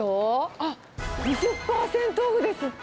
あっ、２０％オフですって。